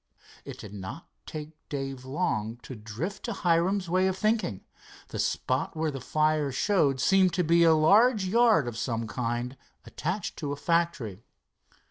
It did not take Dave long to drift to Hiram's way of thinking. The spot where the fire showed seemed to be a large yard of some kind, attached to a factory.